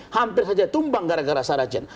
hampir saja tumbang gara gara sarajin